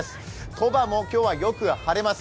鳥羽も今日はよく晴れます。